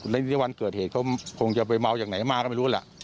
แล้วที่วันเกิดเหตุเขาคงจะไปเมาอย่างไหนมาก็ไม่รู้ล่ะ